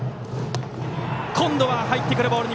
今度は入ってくるボール！